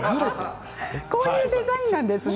こういうデザインなんですね。